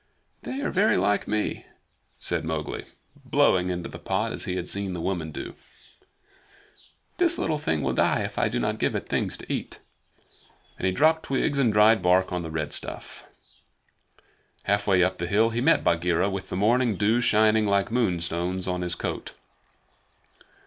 "They are very like me," said Mowgli, blowing into the pot as he had seen the woman do. "This thing will die if I do not give it things to eat"; and he dropped twigs and dried bark on the red stuff. Halfway up the hill he met Bagheera with the morning dew shining like moonstones on his coat.